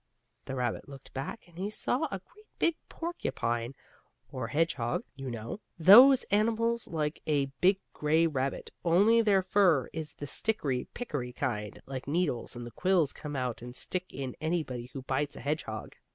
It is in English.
The rabbit looked back, and he saw a great big porcupine, or hedgehog you know, those animals like a big gray rabbit, only their fur is the stickery prickery kind, like needles, and the quills come out and stick in anybody who bites a hedgehog.